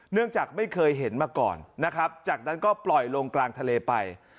จากไม่เคยเห็นมาก่อนนะครับจากนั้นก็ปล่อยลงกลางทะเลไป